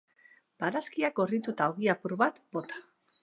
Barazkiak gorritu eta ogi apur bat bota.